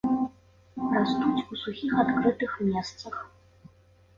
Растуць у сухіх адкрытых месцах.